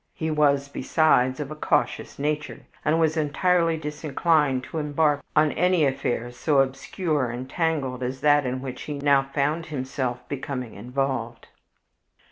He was, besides, of a cautious nature, and was entirely disinclined to embark in any affair so obscure and tangled as that in which he now found himself becoming involved.